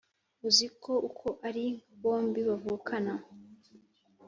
uziko uko ari bombi bavukana